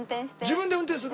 自分で運転する？